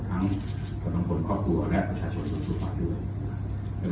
กับลังคนครอบครัวและประชาชนสุขทุขาดด้วยอย่าง